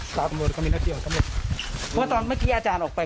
สาวตำรวจก็มีหน้าที่ของตำรวจเพราะว่าตอนเมื่อกี้อาจารย์ออกไป